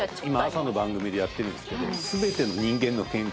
朝の番組でやってるんですけど。